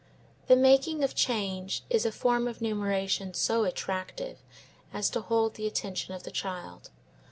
The making of change is a form of numeration so attractive as to hold the attention of the child.